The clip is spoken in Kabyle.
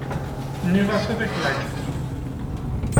Nniɣ-as ad k-yeɛǧeb.